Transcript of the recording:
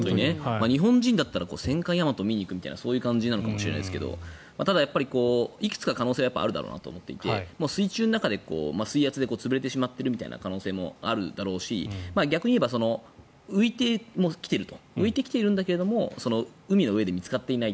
日本人だったら戦艦「大和」を見に行くみたいな感じなのかもしれないですがいくつか可能性はあるだろうなと思っていて水圧で潰れている可能性もあるだろうし逆に言えばもう浮いてきていると浮いてきているんだけれども海の上で見つかっていない。